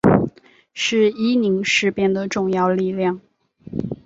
是伊宁事变的重要力量。